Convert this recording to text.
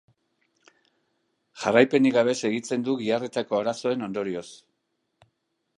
Jarraipenik gabe segitzen du giharretako arazoen ondorioz.